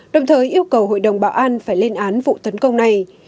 đồng thời yêu cầu hội đồng bảo an phải lên án vụ tấn công này